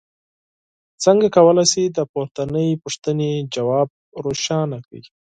څنګه کولی شئ د پورتنۍ پوښتنې ځواب روښانه کړئ.